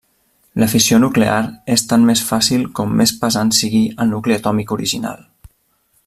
La fissió nuclear és tant més fàcil com més pesant sigui el nucli atòmic original.